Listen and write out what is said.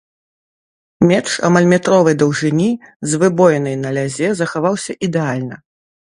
Меч амаль метровай даўжыні з выбоінай на лязе захаваўся ідэальна.